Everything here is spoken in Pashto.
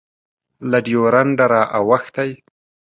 له ډیورنډه رااوښتی